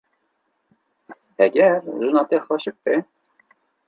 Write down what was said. Heger jina te xweşik be.